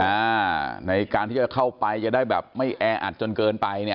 อ่าในการที่จะเข้าไปจะได้แบบไม่แออัดจนเกินไปเนี่ย